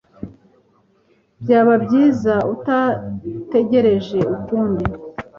Byaba byiza utategereje ukundi